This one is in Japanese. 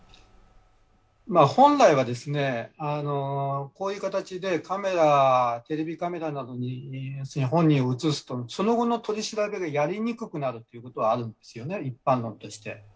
本来はこういう形でテレビカメラなどに本人を映すとその後の取り調べがやりにくくなるということはあるんですよね、一般論として。